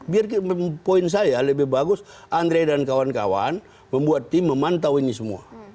biar poin saya lebih bagus andre dan kawan kawan membuat tim memantau ini semua